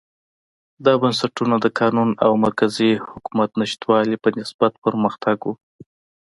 دا بنسټونه د قانون او مرکزي حکومت نشتوالي په نسبت پرمختګ و.